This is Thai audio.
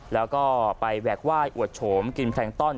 แล้วก็ไปแหวกไหว้อวดโฉมกินแพลงต้อน